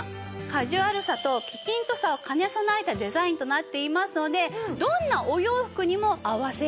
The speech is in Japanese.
カジュアルさとキチンとさを兼ね備えたデザインとなっていますのでどんなお洋服にも合わせやすいんです。